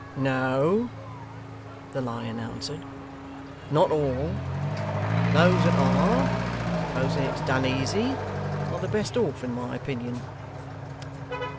'No,' the Lion answered, 'not all. Those that are supposing it's done easy are the best off in my opinion.